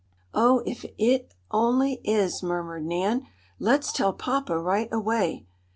"Oh, if it only is!" murmured Nan. "Let's tell papa right away!"